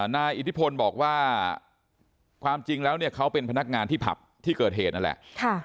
นายอิทธิพลบอกว่าความจริงแล้วเนี่ยเขาเป็นพนักงานที่ผับที่เกิดเหตุนั่นแหละ